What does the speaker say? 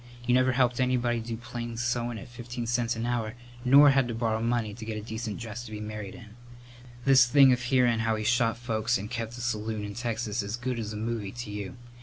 You never helped anybody do plain sewin' at fifteen cents a hour nor had to borrow money to get a decent dress to be married in. This thing of hearin' how he shot folks and kept a saloon in Texas is good as a movie to you.